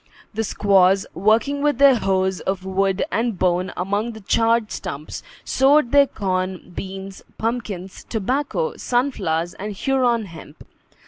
The squaws, working with their hoes of wood and bone among the charred stumps, sowed their corn, beans, pumpkins, tobacco, sunflowers, and Huron hemp.